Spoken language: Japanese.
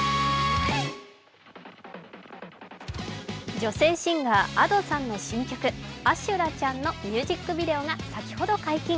女性シンガーＡｄｏさんの新曲「阿修羅ちゃん」のミュージックビデオが先ほど解禁。